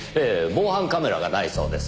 防犯カメラがないそうです。